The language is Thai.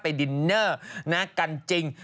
ดินเนอร์นะกันจริง